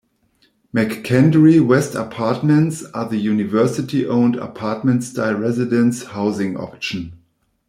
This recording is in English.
McKendree West Apartments are the university-owned apartment-style residence housing option.